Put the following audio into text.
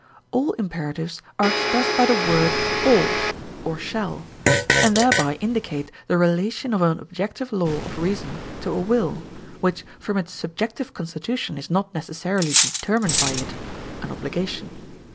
All imperatives are expressed by the word ought [or shall], and thereby indicate the relation of an objective law of reason to a will, which from its subjective constitution is not necessarily determined by it (an obligation).